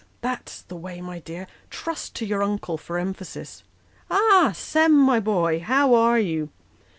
That's the way, my dear ; trust to your uncle for emphasis. Ah ! Sem, my boy, how are you